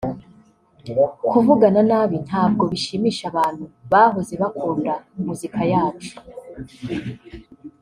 kuvugana nabi ntabwo bishimisha abantu bahoze bakunda muzika yacu